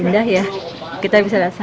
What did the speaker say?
indah ya kita bisa lihat sunrise